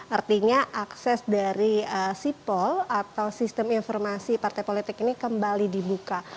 artinya akses dari sipol atau sistem informasi partai politik ini kembali dibuka